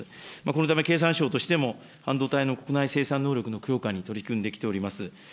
このため経産省としても半導体の国内生産能力の強化に取り組んできております。